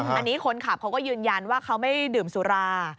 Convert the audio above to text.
อันนี้คนขับเขาก็ยืนยันว่าเขาไม่ดื่มสุรา